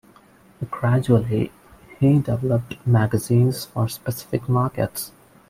Gradually, he developed magazines for specific markets.